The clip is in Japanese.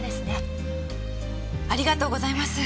ありがとうございます。